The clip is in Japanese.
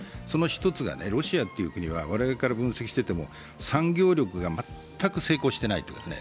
その１つが、ロシアという国が我々から分析しても産業力が全く成功していない。